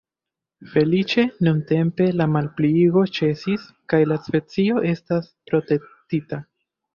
Feliĉe nuntempe la malpliigo ĉesis kaj la specio estas protektita.